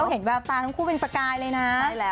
เห็นแววตาทั้งคู่เป็นประกายเลยนะ